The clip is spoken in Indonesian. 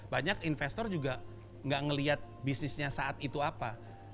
banyak investor juga gak ngeliat bisnisnya saat itu apa